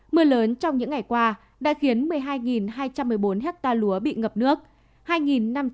mưa lớn trong những ngày qua đã khiến một mươi hai hai trăm một mươi bốn hectare lúa bị ngập nước